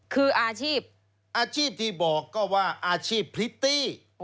คืออาชีพอาชีพที่บอกก็ว่าอาชีพพริตตี้